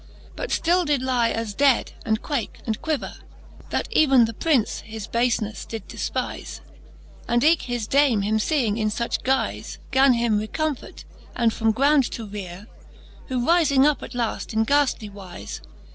But ftill did lie as dead, and quake, and quiver^. That even the Prince his bafeneffe did deipize. And eke his Dame, him feeing in fuch guize, Gan him recomfort, and from ground to reare^ Who rifing up at laft in ghaftly wize.